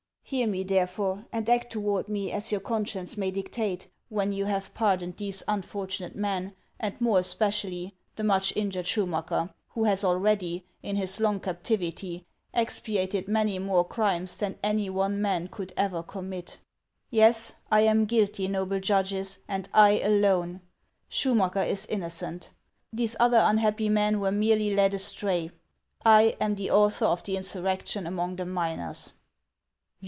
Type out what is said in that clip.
Hear me, therefore, and act toward me as your conscience may dictate when you have pardoned these unfortunate men, and more especially the much injured Schumacker, who has already, in his long captivity, expiated many more crimes than any one man could ever commit. Yes, I am guilty, noble judges, and I alone. Schumacker is innocent; these other unhappy men were merely led astray. I am the author of the insurrection among the miners."